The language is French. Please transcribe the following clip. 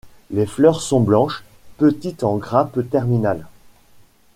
Les fleurs sont blanches, petites en grappe terminale.